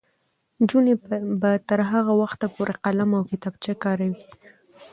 نجونې به تر هغه وخته پورې قلم او کتابچه کاروي.